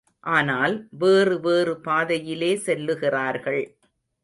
ஆனால், வேறு வேறு பாதையிலே செல்லுகிறார்கள்.